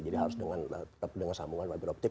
jadi harus tetap dengan sambungan fiberoptik